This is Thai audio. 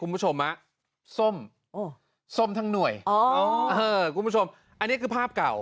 คุณผู้ชมฮะส้มส้มทั้งหน่วยอ๋อคุณผู้ชมอันนี้คือภาพเก่า